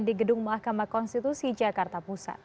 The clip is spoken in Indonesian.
di gedung mahkamah konstitusi jakarta pusat